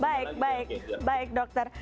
baik baik baik dokter